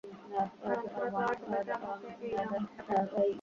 কারণ ছাড়া তো আর সবাই আমাকে এই নামে ডাকে না।